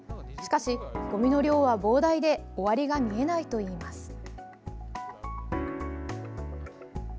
しかし、ごみの量は膨大で終わりが見えないといいます。